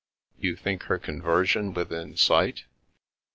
" You think her conversion within sight?